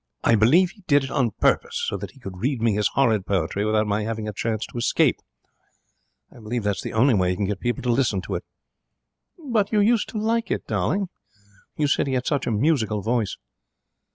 'I believe he did it on purpose, so that he could read me his horrid poetry without my having a chance to escape. I believe that's the only way he can get people to listen to it.' 'But you used to like it, darling. You said he had such a musical voice.'